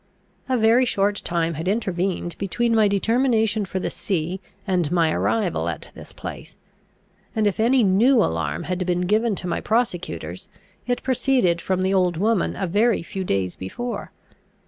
A very short time had intervened between my determination for the sea and my arrival at this place; and if any new alarm had been given to my prosecutors, it proceeded from the old woman a very few days before.